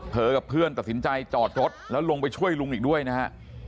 กับเพื่อนตัดสินใจจอดรถแล้วลงไปช่วยลุงอีกด้วยนะฮะ